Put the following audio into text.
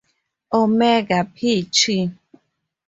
Omega Phi Chi.